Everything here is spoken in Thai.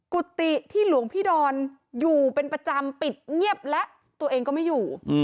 กุฏิที่หลวงพี่ดอนอยู่เป็นประจำปิดเงียบและตัวเองก็ไม่อยู่